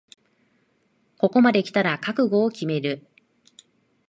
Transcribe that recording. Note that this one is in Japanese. ここまできたら覚悟を決める